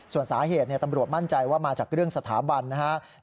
ส่วนสาเหตุตำรวจมั่นใจว่ามาจากเรื่องสถาบันนะครับ